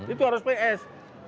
itu harus ps